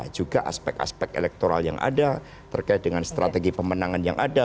juga aspek aspek elektoral yang ada terkait dengan strategi pemenangan yang ada